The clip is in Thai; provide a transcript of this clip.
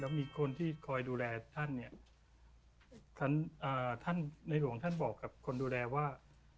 แล้วมีคนที่คอยดูแลท่านในหลวงท่านบอกกับคนดูแลว่า